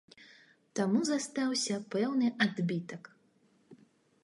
Таму застаўся пэўны адбітак.